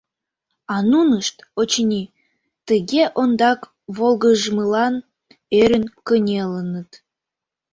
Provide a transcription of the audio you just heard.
А нунышт, очыни, тыге ондак волгыжмылан ӧрын кынелыныт.